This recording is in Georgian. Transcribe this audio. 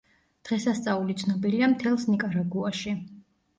დღესასწაული ცნობილია მთელს ნიკარაგუაში.